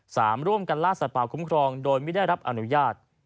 ร่วมกันล่าสัตว์ป่าคุ้มครองโดยไม่ได้รับอนุญาต